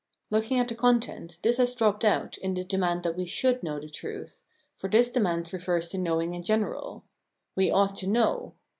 Looking at the content, this has dropped out in the demand that we " should " know the truth ; for this demand refers to knowing in general —" we ought to know."